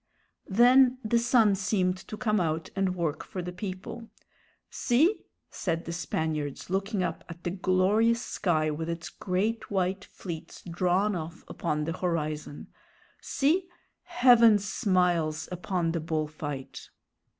Then the sun seemed to come out and work for the people. "See," said the Spaniards, looking up at the glorious sky with its great white fleets drawn off upon the horizon, "see heaven smiles upon the bull fight!"